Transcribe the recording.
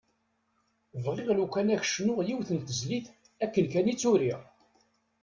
Bɣiɣ lukan ad k-d-cnuɣ yiwet n tezlit akken kan i tt-uriɣ.